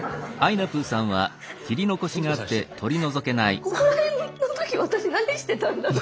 ここら辺の時私何してたんだろう？